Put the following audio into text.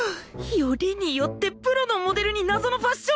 よりによってプロのモデルに謎のファッション論を！